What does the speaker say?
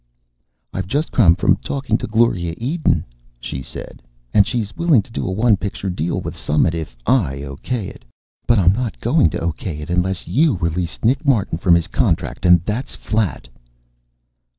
"I've just come from talking to Gloria Eden," she said, "and she's willing to do a one picture deal with Summit if I okay it. But I'm not going to okay it unless you release Nick Martin from his contract, and that's flat."